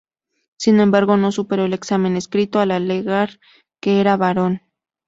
Sin embargo no superó el examen escrito al alegar que era varón.